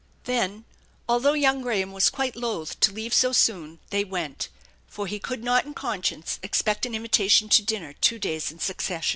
Then, although young Graham was quite loath to leave so soon, they went, for he could not in conscience, expect an invitation to dinner two days in succession.